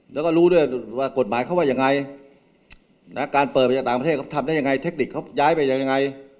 แล้วก็รู้ด้วยว่ากฎหมายเขาว่ายังไงนะการเปิดมาจากต่างประเทศเขาทำได้ยังไงเทคนิคเขาย้ายไปยังไง